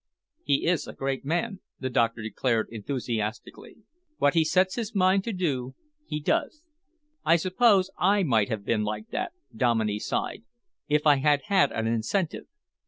"He is a great man," the doctor declared enthusiastically. "What he sets his mind to do, he does." "I suppose I might have been like that," Dominey sighed, "if I had had an incentive.